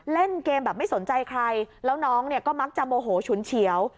เล่นเกมแบบไม่สนใจใครแล้วน้องเนี่ยก็มักจะโมโหฉุนเฉียว